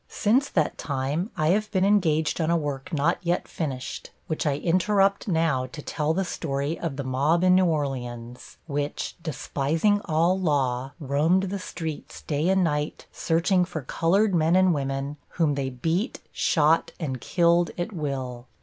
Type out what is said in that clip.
Since that time I have been engaged on a work not yet finished, which I interrupt now to tell the story of the mob in New Orleans, which, despising all law, roamed the streets day and night, searching for colored men and women, whom they beat, shot and killed at will.